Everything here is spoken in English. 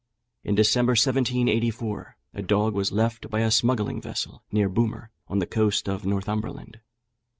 In December, 1784, a dog was left by a smuggling vessel near Boomer, on the coast of Northumberland.